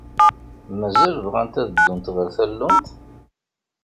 Mazal bɣant ad ddunt ɣer tallunt?